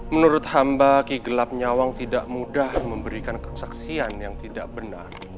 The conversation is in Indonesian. menurut hamba ki gelap nyawang tidak mudah memberikan kesaksian yang tidak benar